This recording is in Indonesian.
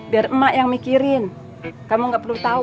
biar mak yang mikirin kamu nggak perlu tahu